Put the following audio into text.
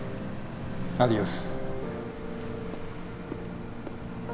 アディオス。